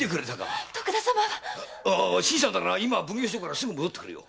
新さんなら奉行所からすぐ戻ってくるよ。